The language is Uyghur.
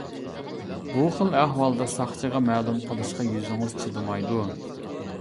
بۇ خىل ئەھۋالدا ساقچىغا مەلۇم قىلىشقا يۈزىڭىز چىدىمايدۇ.